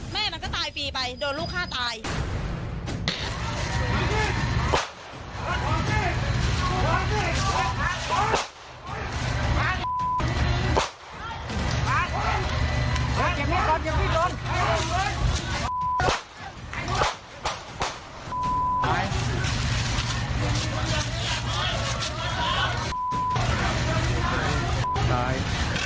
แม่มันก็ตายฟรีไปโดนลูกฆ่าตาย